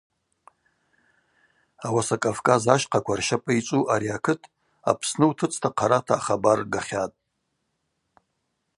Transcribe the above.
Ауаса Кӏавкӏаз ащхъакв рщапӏы йчӏву ари акыт Апсны утыцӏта хъарата ахабар гахьатӏ.